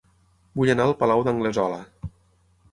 Vull anar a El Palau d'Anglesola